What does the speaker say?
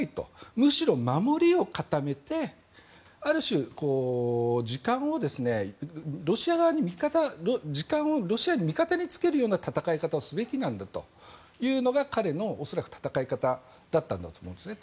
むしろ守りを固めて、ある種時間をロシア側の味方につけるような戦い方をすべきなんだというのが彼の戦い方だったんだと思いますね。